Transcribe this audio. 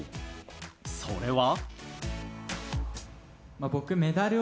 それは。